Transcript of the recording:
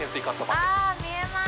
あ、見えます。